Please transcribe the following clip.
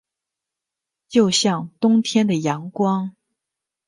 就像冬天的阳光